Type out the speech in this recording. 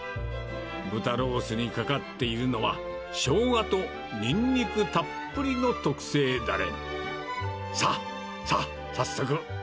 豚ロースにかかっているのは、しょうがとニンニクたっぷりの特製だれ。